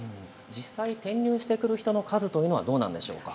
実際、転入してくる人の数というのはどうなんでしょうか。